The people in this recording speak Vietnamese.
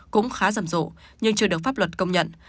cũng khá rầm rộ nhưng chưa được pháp luật công nhận